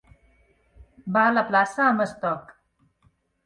Va a la plaça amb estoc.